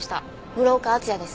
室岡厚也です。